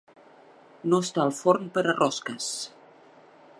No estar el forn per a rosques.